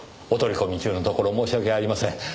お取り込み中のところ申し訳ありません。